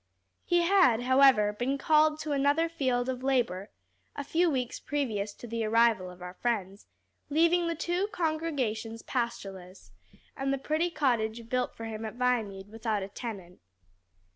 He had, however, been called to another field of labor, a few weeks previous to the arrival of our friends, leaving the two congregations pastorless, and the pretty cottage built for him at Viamede without a tenant.